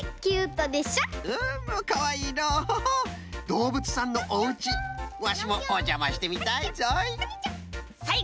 どうぶつさんのおうちワシもおじゃましてみたいぞい。